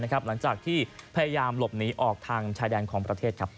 หลังจากที่พยายามหลบหนีออกทางชายแดนของประเทศ